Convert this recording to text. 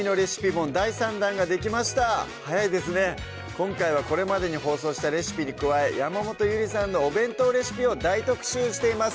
今回はこれまでに放送したレシピに加え山本ゆりさんのお弁当レシピを大特集しています